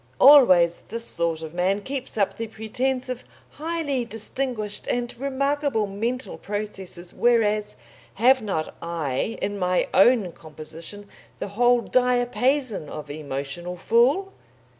Always this sort of man keeps up the pretence of highly distinguished and remarkable mental processes, whereas have not I, in my own composition, the whole diapason of emotional fool?